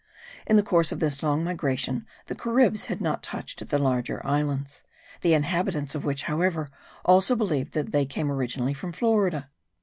In the course of this long migration the Caribs had not touched at the larger islands; the inhabitants of which however also believed that they came originally from Florida.